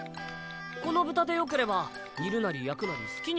この豚でよければ煮るなり焼くなり好きに。